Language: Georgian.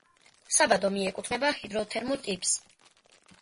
საბადო მიეკუთვნება ჰიდროთერმულ ტიპს.